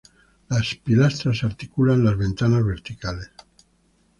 Las pilastras articulan las ventanas verticales.